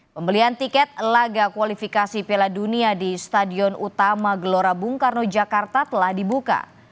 pembelian tiket laga kualifikasi piala dunia di stadion utama gelora bung karno jakarta telah dibuka